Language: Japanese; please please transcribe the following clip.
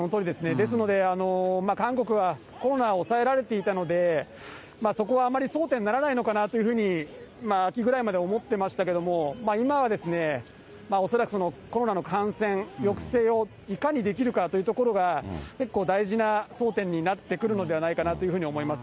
ですので、韓国はコロナを抑えられていたので、そこはあまり争点にならないのかなというふうに、秋ぐらいまで思ってましたけれども、今は恐らく、コロナの感染抑制をいかにできるかというところが、結構大事な争点になってくるのではないかなというふうに思います。